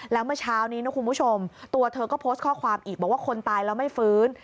แล้วเมื่อเช้านี้นะคุณผู้ชมตัวเธอก็โพสต์ข้อความอีกบอกว่าคนตายแล้วไม่ฟื้น